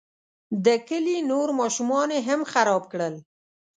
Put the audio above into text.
د کلي نور ماشومان یې هم خراب کړل.